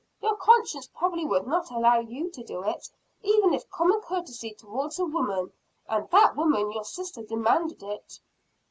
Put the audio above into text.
Your conscience probably would not allow you to do it even if common courtesy towards a woman, and that woman your sister, demanded it."